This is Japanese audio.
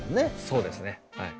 そうですねはい。